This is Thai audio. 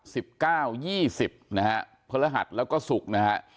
สิบเก้ายี่สิบนะฮะพฤหัสแล้วก็ศุกร์นะฮะ